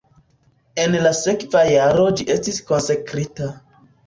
En la sekva jaro ĝi estis konsekrita.